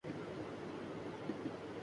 ملک عظیم ہو گا، بڑے جواہر اس میں ہوں۔